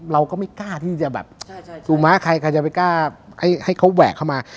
เราก็ไม่กล้าที่จะแบบสู่ม้าใครใครจะไปกล้าให้เขาแหวกเข้ามา